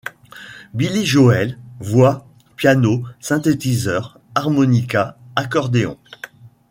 Billy Joel - Voix, piano, synthétiseur, harmonica, accordéon.